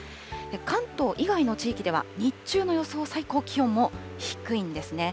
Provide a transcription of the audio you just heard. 関東以外の地域では、日中の予想最高気温も低いんですね。